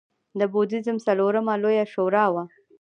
د بودیزم څلورمه لویه شورا وه